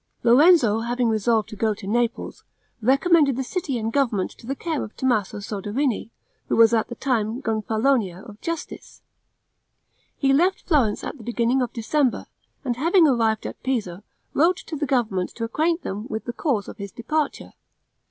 Lorenzo having resolved to go to Naples, recommended the city and government to the care of Tommaso Soderini, who was at that time Gonfalonier of Justice. He left Florence at the beginning of December, and having arrived at Pisa, wrote to the government to acquaint them with the cause of his departure.